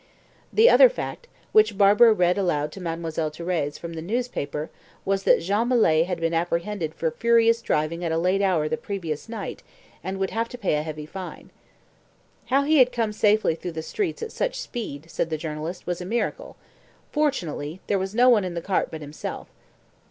The other fact, which Barbara read aloud to Mademoiselle Thérèse from the newspaper, was that Jean Malet had been apprehended for furious driving at a late hour the previous night, and would have to pay a heavy fine. "How he had come safely through the streets at such speed," said the journalist, "was a miracle. Fortunately, there was no one in the cart but himself."